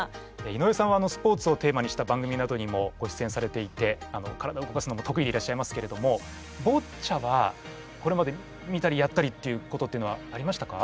井上さんはスポーツをテーマにした番組などにもごしゅつえんされていて体を動かすのもとくいでいらっしゃいますけれどもボッチャはこれまで見たりやったりっていうことっていうのはありましたか？